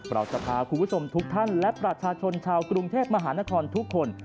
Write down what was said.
เราจะพาคุณผู้ชมทุกท่านและประชาชนชาวกรุงเทพมหานครทุกคน